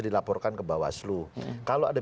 dilaporkan ke bawah slu kalau ada